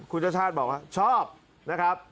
คุณชัชช่านบอกว่าชอบนะครับ